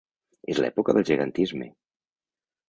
És l'època del gegantisme.